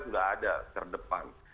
sudah ada terdepan